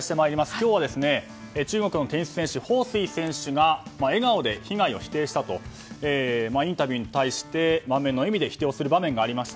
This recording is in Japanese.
今日は中国のテニス選手ホウ・スイ選手が笑顔で被害を否定したとインタビューに対して満面の笑みで否定をする場面がありました。